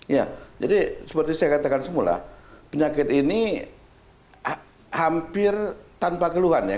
ya jadi seperti saya katakan semula penyakit ini hampir tanpa keluhan ya